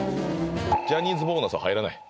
ジャニーズボーナスは入らない？